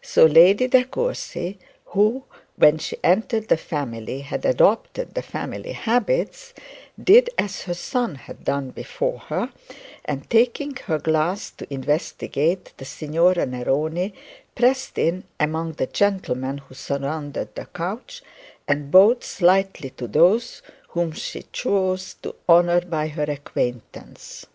So Lady De Courcy, who, when she entered the family had adopted the family habits, did as her son had done before her, and taking her glass to investigate the Signora Neroni, pressed in among the gentlemen who surrounded the couch, and bowed slightly to those whom she chose to honour by her acquaintance.